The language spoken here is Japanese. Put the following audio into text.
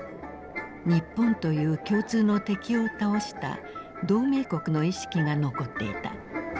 日本という共通の敵を倒した同盟国の意識が残っていた。